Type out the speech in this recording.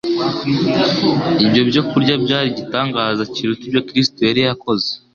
ibyo byo kurya byari igitangaza kiruta ibyo Kristo yari yakoze,